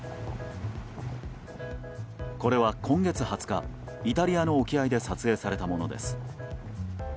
これは今月２０日イタリアの沖合で撮影されたものです。